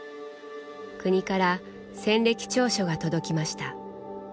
国から戦歴調書が届きました。